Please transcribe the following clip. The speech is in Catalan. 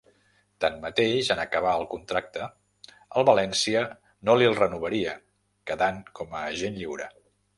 Tanmateix, en acabar el contracte el València no li'l renovaria, quedant com a agent lliure.